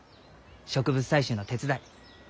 植物採集の手伝い。